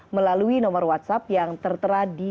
melalui nomor whatsapp yang tertera di